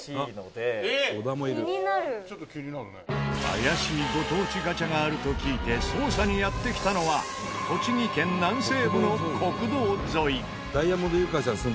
怪しいご当地ガチャがあると聞いて捜査にやってきたのは栃木県南西部の国道沿い。